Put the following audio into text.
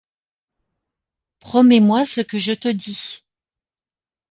Promets-moi ce que je te dis !